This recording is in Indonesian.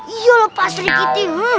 iyoloh pak sri giti